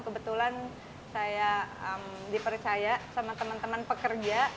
kebetulan saya dipercaya sama teman teman pekerja